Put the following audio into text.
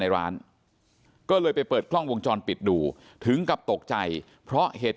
ในร้านก็เลยไปเปิดกล้องวงจรปิดดูถึงกับตกใจเพราะเหตุ